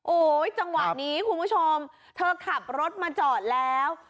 โอ้โหจังหวะนี้คุณผู้ชมเธอขับรถมาจอดแล้ว